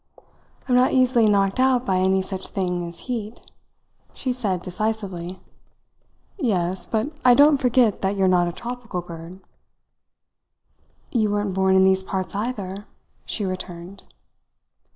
"I am not easily knocked out by any such thing as heat," she said decisively. "Yes, but I don't forget that you're not a tropical bird." "You weren't born in these parts, either," she returned.